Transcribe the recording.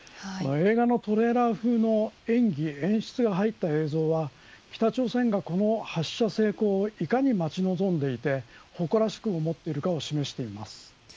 映画のトレーラー風の演技演出が入った映像は北朝鮮がこの発射成功をいかに待ち望んでいて誇らしく思っているかを示しています。